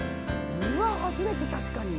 うわ初めて確かに。